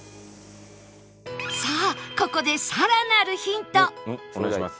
さあここでさらなるヒント